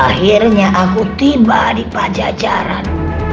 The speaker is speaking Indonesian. akhirnya aku tiba di pajajaran